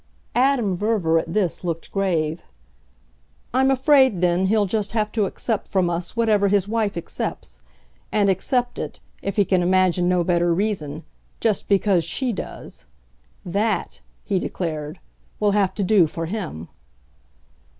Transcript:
Adam Verver, at this, looked grave. "I'm afraid then he'll just have to accept from us whatever his wife accepts; and accept it if he can imagine no better reason just because she does. That," he declared, "will have to do for him."